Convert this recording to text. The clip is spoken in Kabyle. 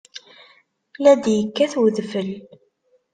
La d-yekkat udfel.